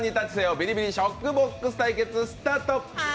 「ビリビリショックボックス」対決スタート。